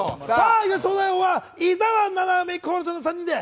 東大王は伊沢、七海、河野の３人で。